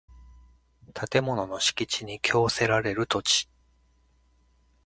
建物の敷地に供せられる土地